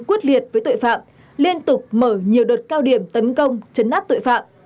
quyết liệt với tội phạm liên tục mở nhiều đợt cao điểm tấn công chấn áp tội phạm